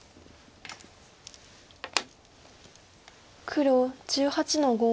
黒１８の五。